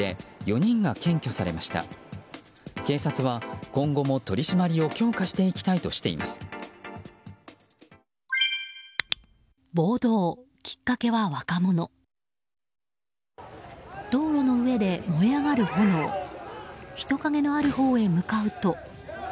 人影のあるほうへ向かうと。